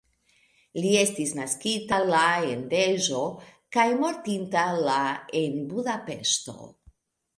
Li estis naskita la en Deĵo kaj mortinta la en Budapeŝto.